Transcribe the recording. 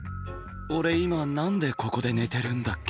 俺今何でここで寝てるんだっけ？